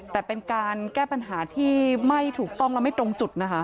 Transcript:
แต่เป็นการแก้ปัญหาที่ไม่ถูกต้องและไม่ตรงจุดนะคะ